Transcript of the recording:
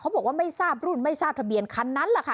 บอกว่าไม่ทราบรุ่นไม่ทราบทะเบียนคันนั้นแหละค่ะ